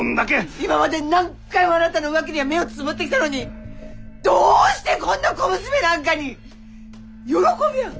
今まで何回もあなたの浮気には目をつぶってきたのにどうしてこんな小娘なんかに。喜び合う？